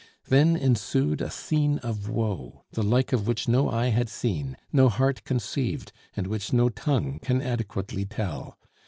Then ensued a scene of woe, the like of which no eye had seen, no heart conceived, and which no tongue can adequately tell.